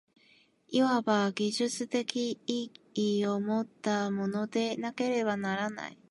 いわば技術的意義をもったものでなければならない。